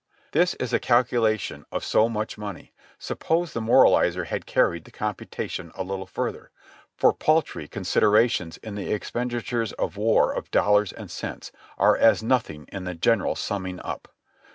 This is a calculation of so much money ; suppose the moralizer had carried the computation a little further, for paltry consider ations in the expenditures of war of dollars and cents are as nothing in the general summing up.